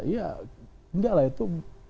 ya nggak lah itu